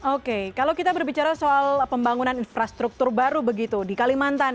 oke kalau kita berbicara soal pembangunan infrastruktur baru begitu di kalimantan